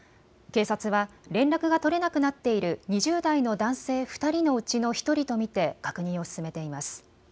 警察は連絡が取れなくなっている２０代の男性２人のうちの１人と見て確認を進めています。